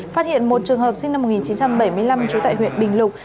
phát hiện một trường hợp sinh năm một nghìn chín trăm bảy mươi năm trú tại huyện bình lục